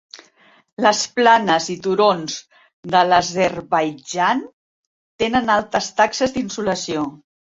Les planes i turons de l'Azerbaidjan tenen altes taxes d'insolació.